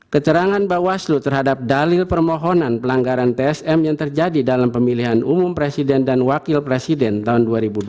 keterangan bawaslu terhadap dalil permohonan pelanggaran tsm yang terjadi dalam pemilihan umum presiden dan wakil presiden tahun dua ribu dua puluh